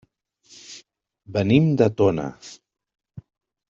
Venim de Tona.